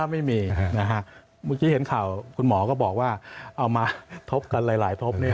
ไม่มีนะฮะเมื่อกี้เห็นข่าวคุณหมอก็บอกว่าเอามาทบกันหลายทบ